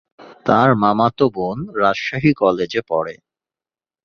তার মামাতো বোন রাজশাহী কলেজে পড়ে।